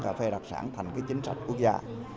cà phê đặc sản thành chính sách quốc gia